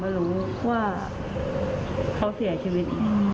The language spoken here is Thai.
รู้ว่าเขาเสียชีวิต